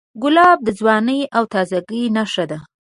ګلاب د ځوانۍ او تازهګۍ نښه ده.